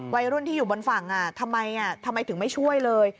วัยรุ่นที่อยู่บนฝั่งทำไมทำไมถึงไม่ช่วยเลย